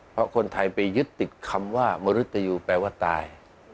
เพราะคนไทยไปยึดติดคำว่ามนุษยูแปลว่าตาย